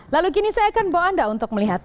lalu kini saya akan bawa anda untuk melihat